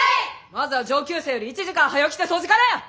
まずは上級生より１時間はよ来て掃除からや！